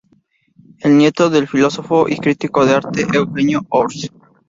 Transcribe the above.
Es nieto del filósofo y crítico de arte Eugenio d’Ors.